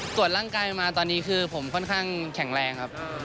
ตรวจร่างกายมาตอนนี้คือผมค่อนข้างแข็งแรงครับ